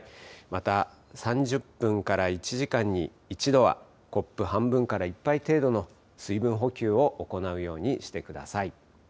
また、３０分から１時間に１度は、コップ半分から１杯程度の水分補給を行うようにしてください。